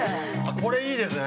これいいですね。